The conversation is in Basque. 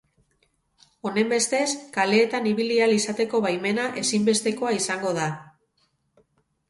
Honenbestez, kaleetan ibili ahal izateko baimena ezinbestekoa izango da.